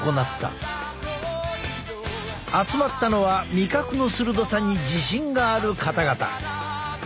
集まったのは味覚の鋭さに自信がある方々。